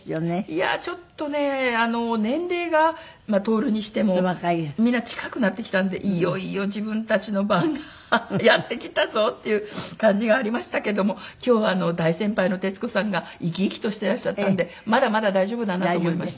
いやあちょっとね年齢が徹にしてもみんな近くなってきたのでいよいよ自分たちの番がやって来たぞっていう感じがありましたけども今日は大先輩の徹子さんが生き生きとしてらっしゃったんでまだまだ大丈夫だなと思いました。